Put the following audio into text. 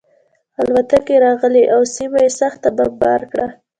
الوتکې راغلې او سیمه یې سخته بمبار کړه